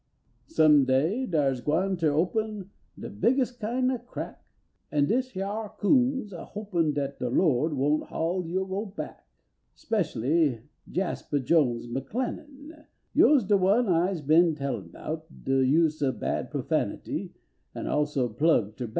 Some day dar s gwine ter open De bigges kin of crack, An dis hyar coon s a hopin Dat de Lord won t hoi yo back, Speshly Jaspah Jones McClellan, Yo s de one Ise bin a tellin Bout de use of bad profanity An also plug terbac.